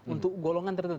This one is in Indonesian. untuk golongan tertentu